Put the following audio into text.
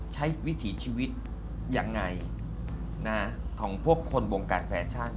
วิถีชีวิตยังไงนะของพวกคนวงการแฟชั่น